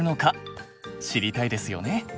知りたいですよね。